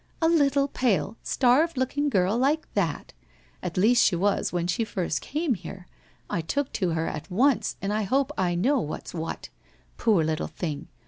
A little pale starved looking girl like that ! At least she was when she first came here. I took to her at once and I hope I know what's what? Poor little thing!